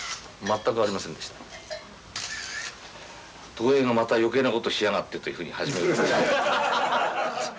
東映がまた余計なことしやがってというふうに初めは。